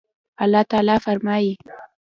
الله تعالى فرمايي